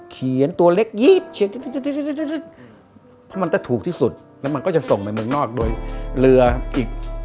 เขียนสีตัวเล็กยี่ยด